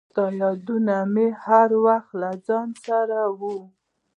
• ستا یادونه مې هر وخت له ځان سره وي.